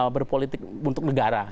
berpolitik untuk negara